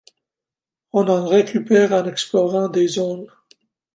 On en récupère en explorant des zones.